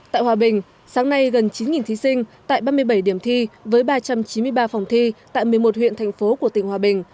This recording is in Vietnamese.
tại hòa bình sáng nay gần chín thí sinh tại ba mươi bảy điểm thi với ba trăm chín mươi ba phòng thi tại một mươi một huyện thành phố của tỉnh hòa bình